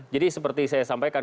jadi seperti saya sampaikan